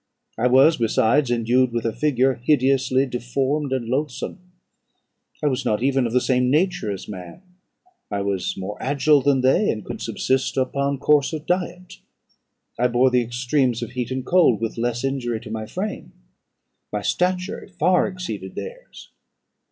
I was, besides, endued with a figure hideously deformed and loathsome; I was not even of the same nature as man. I was more agile than they, and could subsist upon coarser diet; I bore the extremes of heat and cold with less injury to my frame; my stature far exceeded theirs.